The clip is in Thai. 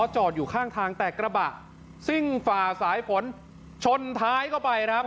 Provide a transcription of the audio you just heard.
จอดอยู่ข้างทางแต่กระบะซิ่งฝ่าสายฝนชนท้ายเข้าไปครับ